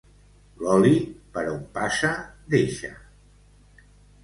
L'oli, per on passa, deixa.